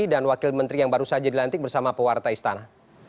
dan wakil menteri yang baru saja dilantik bersama pewarta istana